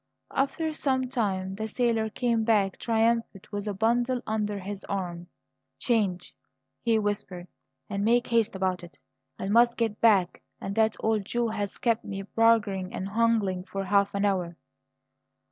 After some time the sailor came back, triumphant, with a bundle under his arm. "Change," he whispered; "and make haste about it. I must get back, and that old Jew has kept me bargaining and haggling for half an hour."